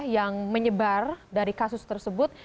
yang menyebar dari kasus tersebut